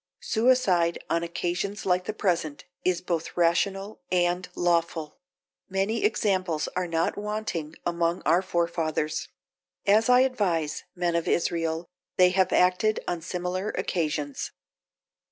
Suicide, on occasions like the present, is both rational and lawful; many examples are not wanting among our forefathers: as I advise, men of Israel, they have acted on similar occasions."